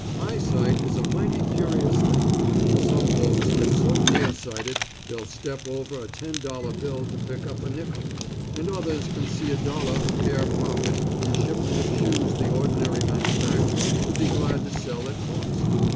Eyesight is a mighty curious thing. Some folks get so nearsighted they'll step over a ten dollar bill to pick up a nickel, and others can see a dollar a pair profit in a shipment of shoes the ordinary manufacturer would be glad to sell at cost.